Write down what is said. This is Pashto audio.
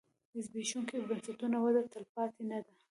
د زبېښونکو بنسټونو وده تلپاتې نه ده.